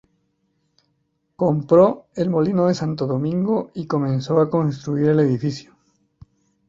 Compró el Molino de Santo Domingo y comenzó a construir el edificio.